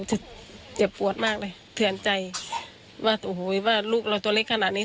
เจ็บเจ็บปวดมากเลยเทือนใจว่าโอ้โหว่าลูกเราตัวเล็กขนาดนี้